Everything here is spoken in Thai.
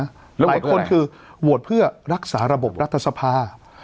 แล้วโหวตเพื่ออะไรหลายคนคือโหวตเพื่อรักษาระบบรัฐศพา